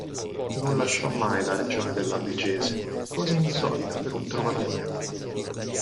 Non lasciò mai la regione dell'Albigese cosa insolita per un trovatore.